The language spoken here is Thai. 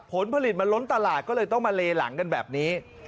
ผลผลิตมันล้นตลาดก็เลยต้องมาเลหลังกันแบบนี้